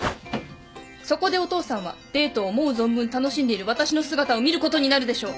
そこでお父さんはデートを思う存分楽しんでいる私の姿を見ることになるでしょう！